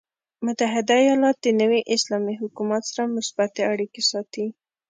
متحده ایالات د نوي اسلامي حکومت سره مثبتې اړیکې ساتي.